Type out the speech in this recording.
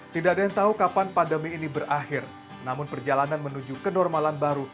tidak ada yang tahu kapan pandemi ini berakhir namun perjalanan menuju kenormalan baru